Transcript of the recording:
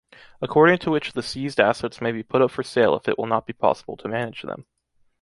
According to which the seized assets may be put up for sale if it will not be possible to manage them.